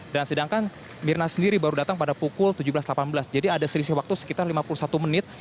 dan sedangkan mirna sendiri baru datang pada pukul tujuh belas delapan belas jadi ada selisih waktu sekitar lima puluh satu menit